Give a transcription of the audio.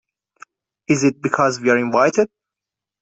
Is it because we are invited?